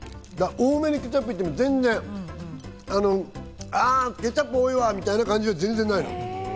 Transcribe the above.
多めにケチャップ行っても全然、あ、ケチャップ多いわみたいな感じが全然ない。